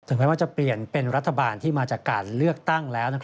แม้ว่าจะเปลี่ยนเป็นรัฐบาลที่มาจากการเลือกตั้งแล้ว